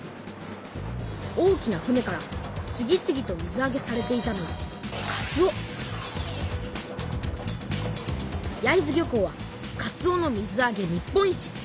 大きな船から次々と水あげされていたのは焼津漁港はかつおの水あげ日本一。